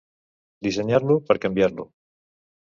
Dissenyar-lo per canviar-lo.